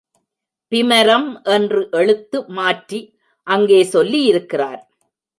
பிமரம் என்று எழுத்து மாற்றி அங்கே சொல்லியிருக்கிறார்.